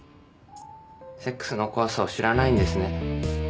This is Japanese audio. セックスの怖さを知らないんですね。